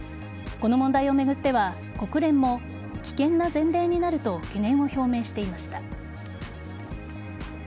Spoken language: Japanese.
この問題を巡っては、国連も危険な前例になると懸念を表明していました。